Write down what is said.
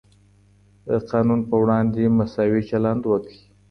د قانون په وړاندې مساوي چلند وکړئ.